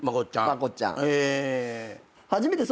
まこっちゃん。